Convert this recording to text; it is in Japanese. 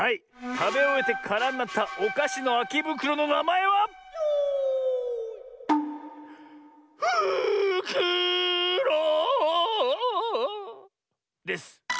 たべおえてからになったおかしのあきぶくろのなまえは「ふくろ」です。